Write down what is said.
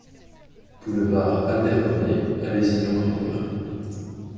Boulevard Albert Premier à Lézignan-Corbières